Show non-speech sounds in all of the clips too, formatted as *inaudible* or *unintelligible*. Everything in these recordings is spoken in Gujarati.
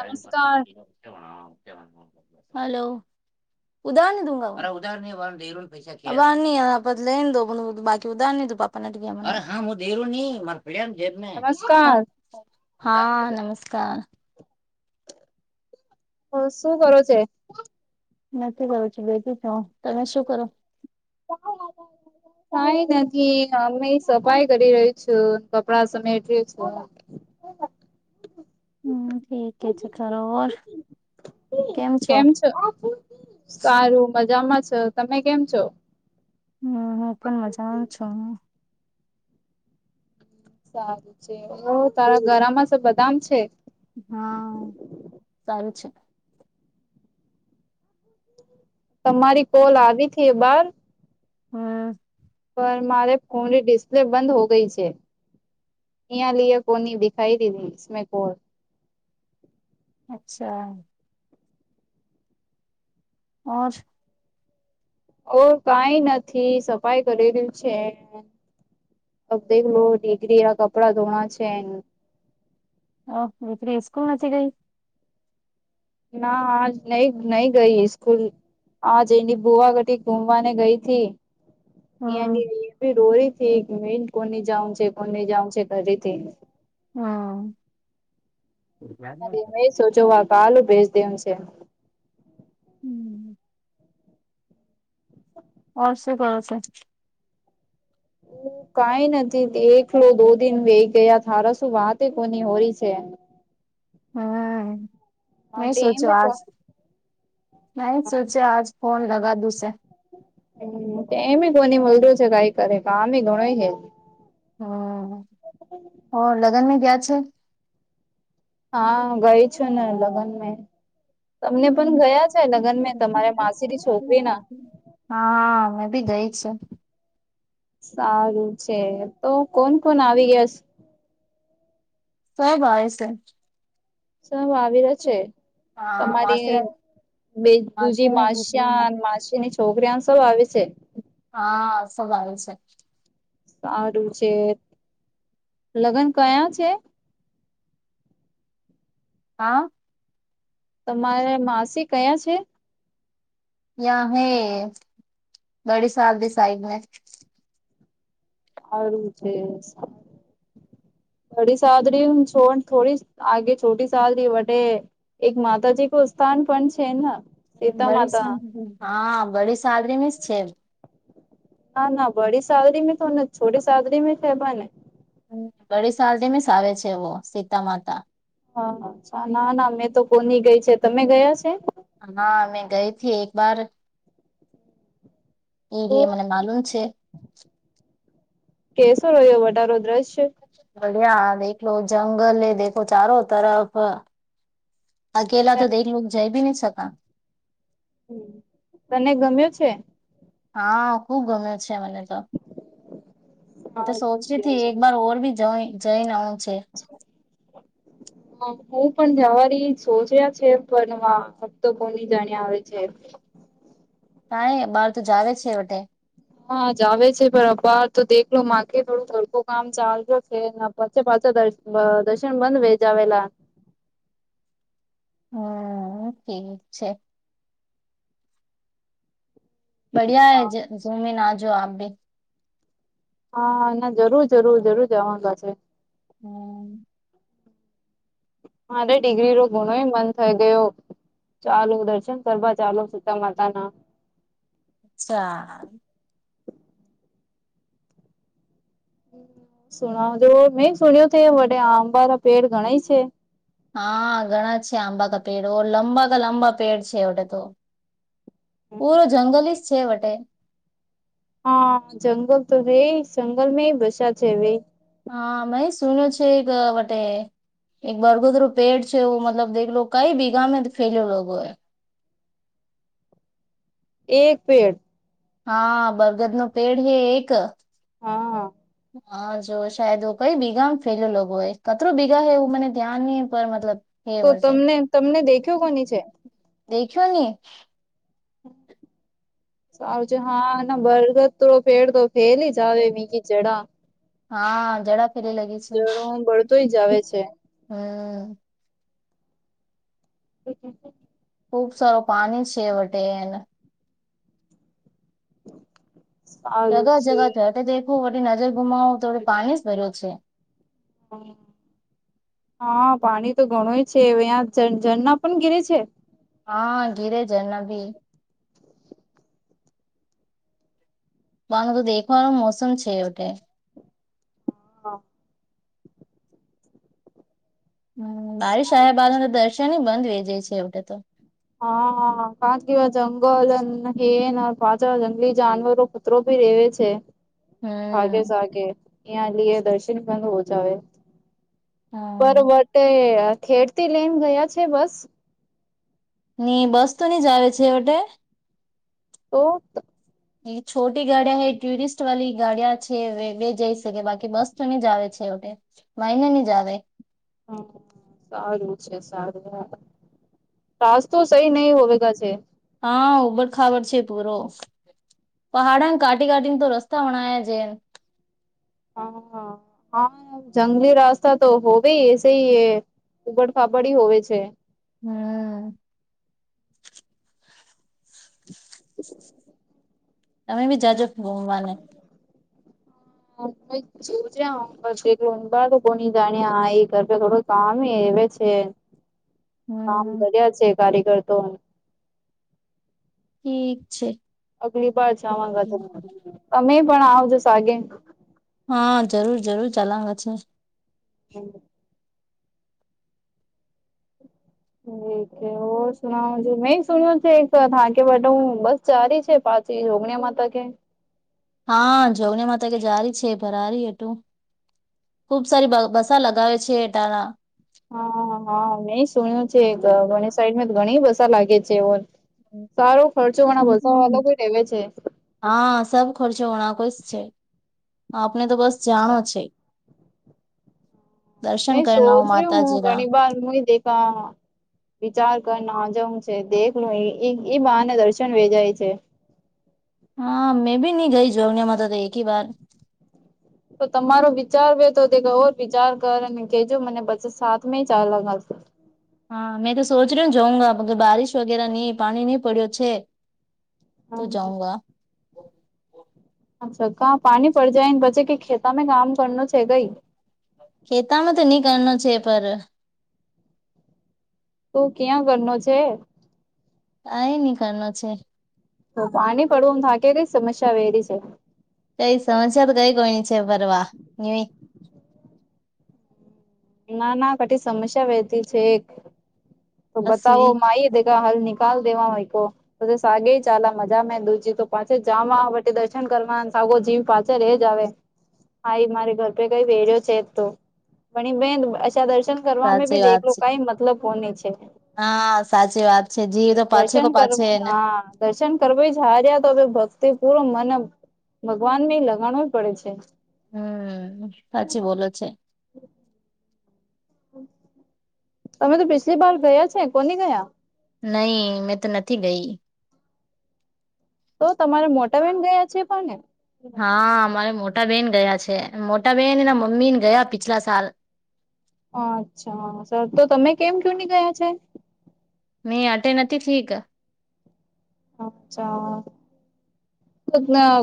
નમસ્કાર હલો *unintelligible* *unintelligible* *unintelligible* નમસ્કાર હા નમસ્કાર. હ શું કરો છે? નથી કરું છું ભેગી છ તમે શું કરો? ક આવ. કઈ નથી અમે સફાઈ કરી રહી છું કપડા સમેટ છું. હમ ઠીક એ છે ખોર કેમ છો સારું મજામાં છે તમે કેમ છો? હમ હું પણ મજામાં છું હ સારું છે તારા ગરામાં સ બદામ છે. હા સારું છે. તમારી કોલ આવી હતી બાર હમ પર મારે ફોનની ડિસ્પ્લે બંધ હો ગઈ છે. યા લી કોની દેખાઈ દીધીમે કોણ અચ્છા ઓ ઓ કઈ નથી સફાઈ કરેલ્યું છે. દેખ લો કરી કપડાં ધોણા છે. ઓ દીકરી સ્કૂલ નથી ગઈ. ના આજ નહી નહી ગઈ સ્કૂલ. હા જેની ભુવાગઢટી ગુમવાને ગઈ થી હમ અની ડોરી ઠીક મેન કોની જાઉં છે કોની જાઉં છે ઘરીથી હમ. અરે મેં સોચો વા પાાલ ભેજ દેમ છે. હમ. ઓર શું કર છે કઈ નથી એકલો દો દિન વય ગયા તારા, શું વાત કોની હોરી છે? હમ મેં હન્ટ એમ બે સોચ્યું આજ નહી સોચે આજ ફોન લગા દુંસે એમ કોની મળું છે કઈ કરે કામ ઘણો હે હમ ઓ લગન મે ગયા છે. હા ગઈ છું ને લગ્ન મે તમને પણ ગયા લગન મેં તમારે માસીરી છોકરી ના હા હા મેં બી ગઈ છે. સારું છે તો કોણ કોણ આવી ગયા. સો છે. સા આવી રહ્યા છે હા તમારે માસી બે દુજી માસીના માસ દીકરા માસીની છોકરીયા સૌ આવે છે. હા સવાળું છે. સારું છે લગ્ન કયા છે? હા. તમારે માસી કયાં છે? યહા હૈ બડી સાહબકી સાઇડ મે હારુ છે બડી સાધરી છો થોડી આગે છોટી શહેર વટેે એક માતાજી કો સ્થાન પણ છેના ડી હા બડી સાદરી મે છેજ હા ના બડી સાલરી મે તોને છોટી સાલરી મે છે ભને બડી સાલ *inaudible* આવે છે એવો સીતા માતા હા હા ના ના મેં તો કોની ગઈ છે તમે ગયા છે હા મેં ગઈથી એક વાર એ લ તો મને માલુમ છે કેસો રહ્યો વટારો દ્રશ છે બિયા દેખલો જંગલ દેખો ચારો તરફ અકેલા તો દ લોકો જઈ બી નહી શક હ તને ગમ્યો છે હા ખુબ ગમે છે. છે મને તો અચ્છા મને તો તો સોચ રી હતી એક બારર ભી જ જઈ નાનું છે હું પણ જવારી સોચ રહયા છે પણ ફક્તો કોની જાણ્યા આવે છે નાં બહાર તો જાવ છે એવટે હા જ આવે છે પણ અપાર તો દેખલો માગ થોડું તડકો કામ ચાલજ છે. પાચ પાંચ દ દર્શન બંધવે જાવલા હમ ઠીક છે. બઢિયા હૈ ઝુમીન આ જો આપ ભી હા ના જરૂર જરૂર જરૂર જવાગ છે હમ. મારે ડિગ્રી રો ઘુણો મન થઈ ગયો ચાલો દર્શન કરવા ચાલો સીતા માતા ના ચા. સુણ જો મે સુણ્યો ત વડે આંબા પેડ ગણ છે હા ઘણા છે આંબા ક પેડ લંબા ક લાંબા પેડ છે એ તો પૂરો જંગલ જ છે વટે- હા જંગલ તો ર જંગલ મે ભષા છેવી હા મેાઈ સુનું છે એક વટે એક બરગુદરું પેડ છે મતલબ દલો કઈ બીઘા ફેલેલો હ. એક પેડ. હા બરગદ નું પેડ હ એક હા હ. હા જો સાાયદ કઈ ભેગા ફેલ લોકો કતરોું ભીગા હો એવું મને ધ્યાન ન પર મતલબ તો તમને તમને દેખ્યો કોની છે- દખ્યુંન. *inaudible* સાવજ હા ના બરગદ તો પેડ તો ફેલ જ આવે મીી જડા હા જેડા જ હ ગળતોય જ આવે છે હમ‌ પ ક ખુબ સારું પાણી છે વટે એને સારું જગા છે જગા થેખું પી નજર ગુમાવો તોોડ પાણી જ ભર્યું છે. હા પાણી તો ઘણુંય છે અહં ઝરના પણ ઘિરે છે હા ગિરેજ ન ભી માંધ તો દેનો મોસમ છે ઉટે હા. હ બારશહે બા તો દર્શન બંધ વહી જાય છે એ હા ક કવા જંગલ હન પાછ જંગલી જાનવરો મ ભી રેવે છે થાગે હમ સાાગે ્યાં લઈએ દર્શન બ હો જાવ હા. બરોબટે ખેડથી લઈને ગયા છે બસ. ની બસ તો નની જ આવે છે એટે ઓ *unintelligible* એ છોટી ગાડીિયા હ ટુરિસ્ટ વાળી ગાડીિયા છે બે જઈ શકે બાકી બસ તો ન જ આવે છે એ. મહને નની જવે હ સારું છે સારું. રાાસ તો સહી નહી હોવેગ જે હા ઉબડ ખબડ છે પૂરો. પહાડા કાટીી કાટીીને તો રસ્તા બણાયા જૈન. હા *inaudible* હા જંગલી રાસ્તા તો હોવેશે એ ઉગડ ફાપડી હોવે છે. હમ તમે બી જાજોવાને હ *unintelligible* છે બટ ઊંડ કોની જાણી હા એ ઘરે થોડું કમે એવે છે. કામ હમ કર્યા છે કાર્યકર્તો ઠીક છે. અગલી બ જગ તમે પણ આવજો સાગે હા જરૂર જરૂર ચલાંગ હમ. ઠ સુના જો મે સુન્યું એક થાકે બટા બસ ચારી છે પાચી જોગણીિયા માતા કે હા જોવની મા કે જારી છે ભરારી એટું ખુબ સારી બસા લગાવે છે એટના હા હા મેં સુણ્યું છે ગ સાઈડ ઘણી ભસા લાગે છે એવો સારો ખર્ચો મણા બસા અલગ રહેેવે છે. હા સબ ખર્ચો ઓણાકો જ છે આપને તો બસ જાણો છે. દર્શન મેં સોચ કરના હો રહી હું માતાજીના ઘણી બાર મુું દેખા વિચાર કર ના જઉં છે દેખલું એ બહારને દર્શન વે જાય છે. હા મેં બી નહી ગઈ જોનેમાં તો તો એક વાર તો તમારો વિચાર વ તો તે ગર વિચાર કરને કજો મને બછ સાથમે ચાલ હા મેં તો સોચ રહ્યો જઉંગા કે બારિશ વગેરે નહી પાણી નહીં પડ્યો છે. તો જાઉંગા ્છા કા પાણી પડ જાય ને પછી કે ખેતામાં કામ કરનું છે કઈ ખેતામાં તો નહી કરનો છે પર તું ક્યાં કરનો છે. કઈ નની કરનો છે. તો પાણી પડવુંમ તો આા કે ર સમસ્યા વહેરી છે. કઈ સમસ્યા તો કઈ કોની છે ફરવા ન ના ના ઘટી સમસ્યા વહેતી છે એક તો બસ બતાવો એવી. માય દે હાલ નિકાલ દેવા હોય કો પછ સાગે ચા મજા મે દુજી તો પાછ જવાી દર્શન કરવા સાગો જ પા એજ આવે હાાઈ મારે ઘર પ કઈ વેર્યો છે જ તો પણણી બેન અ્ા દર્શન કરવા સાચી ભી વાત દેખલો છે કઈ મતલબ કોને છે. હા સાચી વાત છે જી તો પાછે કો પાછેને હા દર્શન કર જ હાર્યા તો હ ભક્તિ પૂરો મને ભગવાન ને લગાણો જ પડે છે. હમ સાચી બોલો છે. તમે તો પછલી બાર ગયા છે કોની ગયા નહી મેં તો નથી ગઈ તો તમારે મોટાાવેન ગયા છે પણ ને. હા અમારે મોટા બેહેન ગયા છે મોટા બેહેન એના મમ્મી ને ગયા પિછલા સાલ અચ્છા સર તો તમે કેમ કે ની ગયા છે. મે અટે નથી થીક. અચ્છાના.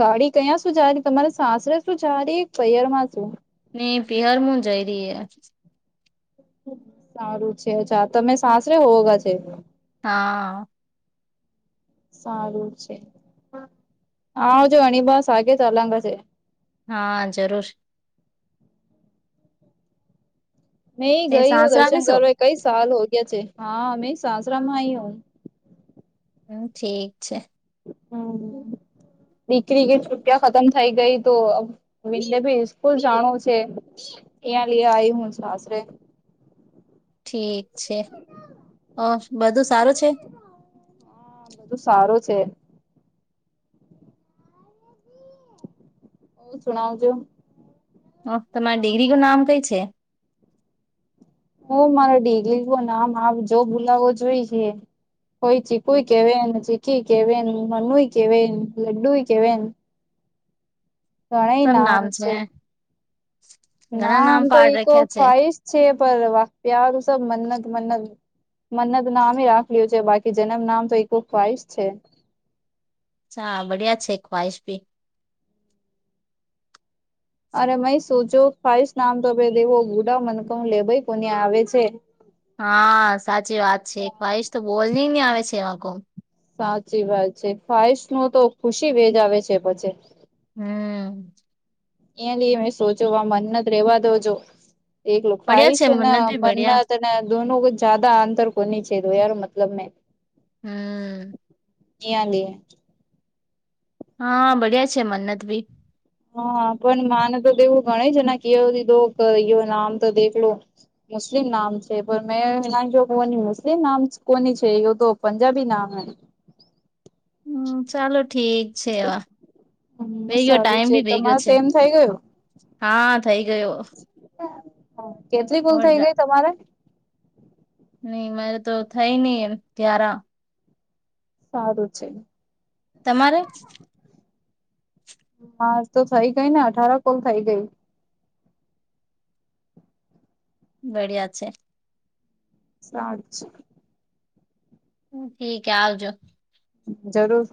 ગાડી કયાં શું જારી તમારે સાસરે શું જારી પયર માં શું. ને બિહારમાં જઈ ર સારું છે અછા તમે સાસરે હોવોગા છે. હા સારું છે હા જો ઘણીબ સાગે તલંગર છે. હા જરૂર. મે તે ગઈ હું સાસરા દર્શન આવીશું કરવા કઈ સાલ હો ગયા છે હા મેં સાસરા માં આઈ હું. હમ ઠીક છે. હમ. દીકરી કે છુટિયા ખતમ થઇ ગઈ તો વિલે ભી સ્કૂલ જાણું છે. એયા લ આઈ હું સાસરે. ઠીક છે અ બધું સારું છે. હા બધું સારું છે. હું શણઉ છું. ઓ તમારી ડિગ્રી નું નામ કઈ છે. હું મારા ઢગલી નામ આપ જો બોલાવો જોઈ છે. કોય ચીકુ કેવા ચીખી કેવા મનુઈ કેવા લડ્ડુ કેવા. ઘણા નામ છે. ઘણા ના આમ નામ તો પાડ ઈ રાખ્યા છે ખ્વાઈશ છે પણ વાક્ય સબ મન્નત મનત મન્નત નામ રાખ લું છે બાકી જન્મ નામ તો ઈું ખઈશ છે હા બડિયા છે ખ્વાહીશ ભી. અરે મ સુંચો ખાઈશ નામ તો ભ દેવો ગુડા મનક લે ભાઈ કોને આવે છે. હા સાચી વાત છે વારશ તો બોલની નહી આવે છે એમાં ક. સાચી વાત છે ફાઈશ ન તો ખુશી વેજ આવે છે પછી. હમ. એ લઈ મે સોચો મન્નત રેવા દોજો એક બડિયા ખાઈ છે ને મન્નત ભી બડિયા મન્નત. ના દોન કો જ્યાદા આંતર કોની ચ તો યાર મતલબ મે. હમ. કહી આ દ. હા બડિયા છે મન્નત ભી. હા પણ માને તોવું ગણ છે ના કીધોયો નામ તો દેખલો. મુસ્લિમ નામ છે પણ મેં ના કોની મુસ્લિમ નામ કોની છે એ તો પંજાબી નામ હ. હમ ચાલો ઠીક છે એવા. હમ ભે ગયો સારું ટાઈમ છે ભી ભેગયો તમારે છે તો એમ થઈ ગયું હા થઈ ગયો. કેટલી કુલ થઇ ગઈ તમારે. નઈ મારે તો થઈ નહિ એમ ત્યારા. સારું છે. તમારે. હા તો થઈ ગઈ ને અઠાર કોલ થઈ ગઈ, બડિયા છે, સાક્ષ હ ઠીકે આવજો. જરૂર,